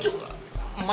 oh enggak bisa pak